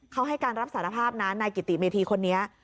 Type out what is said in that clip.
เขาให้การรับสารภาพนะนายกิติเมธีคนนี้